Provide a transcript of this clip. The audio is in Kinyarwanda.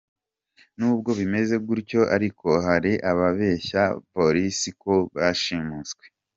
Nubwo bimeze gutyo ariko hari n’ ababeshya polisi ko bashimuswe.